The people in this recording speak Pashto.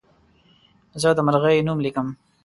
زه د مرغۍ نوم لیکم.